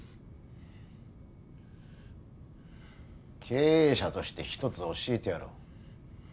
経営者として一つ教えてやろう。